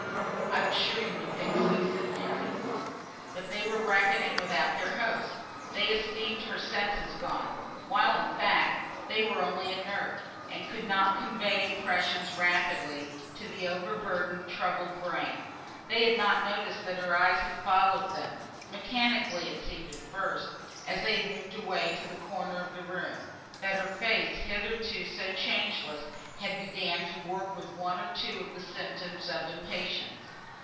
"I was sure you would think so," said Mary. But they were reckoning without their host. They esteemed her senses gone, while, in fact, they were only inert, and could not convey impressions rapidly to the over burdened, troubled brain. They had not noticed that her eyes had followed them (mechanically it seemed at first) as they had moved away to the corner of the room; that her face, hitherto so changeless, had begun to work with one or two of the old symptoms of impatience.